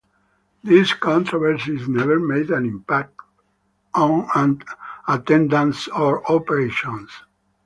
These controversies never made an impact on attendance or operations.